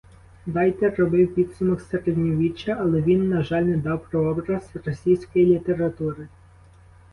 Дайте робив підсумок середньовіччя, але він, на жаль, не дав прообраз російської літератури.